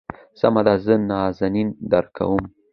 سمه ده زه نازنين درکوم.